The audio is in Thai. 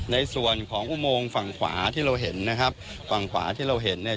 ในส่วนของอุโมงฝั่งขวาที่เราเห็นนะครับฝั่งขวาที่เราเห็นเนี่ย